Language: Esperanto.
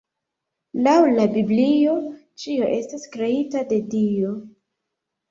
Laŭ la Biblio ĉio estas kreita de Dio.